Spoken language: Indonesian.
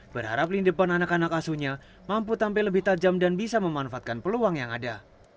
berharap lindepan anak anak asuhnya mampu tampil lebih tajam dan bisa memanfaatkan peluang yang ada